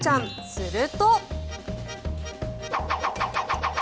すると。